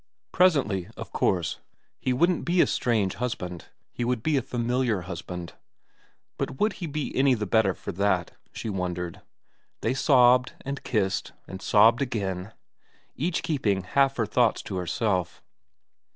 Presently, of course, he wouldn't be a strange husband, he would xm VERA 143 be a familiar husband ; but would he be any the better for that, she wondered ? They sobbed, and kissed, and sobbed again, each keeping half her thoughts to herself.